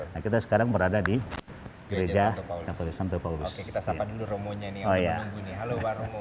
betul kita sekarang berada di gereja santopoulos kita sapa dulu romo nya nih oh ya halo pak romo